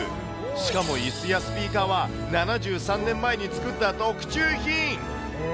しかもいすやスピーカーは、７３年前に作った特注品。